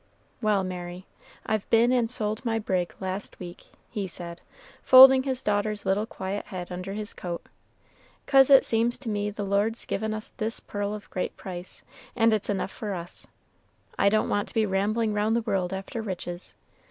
Well, Mary, I've been and sold my brig last week," he said, folding his daughter's little quiet head under his coat, "'cause it seems to me the Lord's given us this pearl of great price, and it's enough for us. I don't want to be rambling round the world after riches.